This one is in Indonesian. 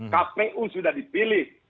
kpu sudah dipilih